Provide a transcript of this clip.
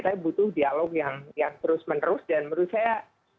saya butuh dialog yang terus menerus dan menurut saya